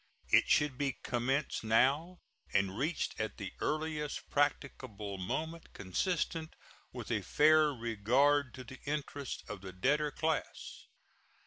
It should be commenced now and reached at the earliest practicable moment consistent with a fair regard to the interests of the debtor class.